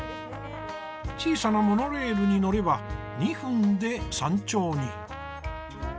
小さなモノレールに乗れば２分で山頂に。